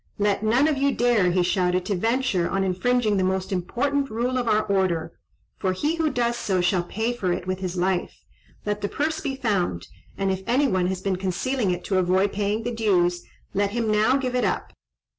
"Let none of you dare," he shouted, "to venture on infringing the most important rule of our order, for he who does so shall pay for it with his life. Let the purse be found, and if any one has been concealing it to avoid paying the dues, let him now give it up.